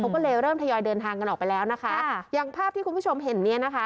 ก็เลยเริ่มทยอยเดินทางกันออกไปแล้วนะคะอย่างภาพที่คุณผู้ชมเห็นเนี้ยนะคะ